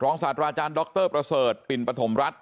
ศาสตราอาจารย์ดรประเสริฐปิ่นปฐมรัฐ